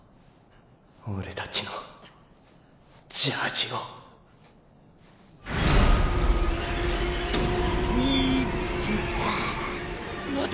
オレたちのジャージを見つけた。